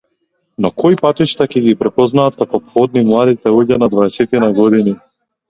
Но кои патишта ќе ги препознаат како плодни младите луѓе на дваесетина години?